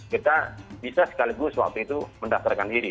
kita bisa sekaligus waktu itu mendaftarkan diri